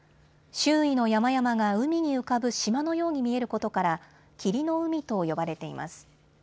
周囲の山々が海に浮かぶ島のように見えることから霧の海と呼ばれています。